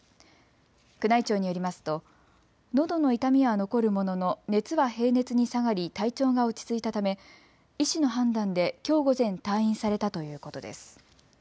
宮内庁によりますとのどの痛みは残るものの熱は平熱に下がり体調が落ち着いたため、医師の判断できょう午前、退院されたということです。